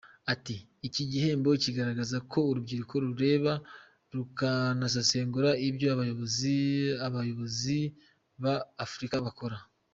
Ati: “Iki gihembo kigaragaza ko urubyiruko rureba rukanasesengura ibyo abayobozi abayobozi ba Afurika bakora.